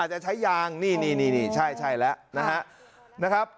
จะใช้ยางนี่นี่ใช่แล้วนะครับ